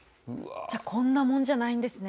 じゃあこんなもんじゃないんですね。